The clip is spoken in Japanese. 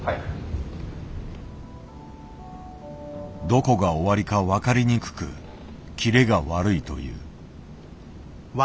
どこが終わりか分かりにくく切れが悪いという。